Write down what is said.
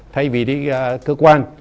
thay vì đi cơ quan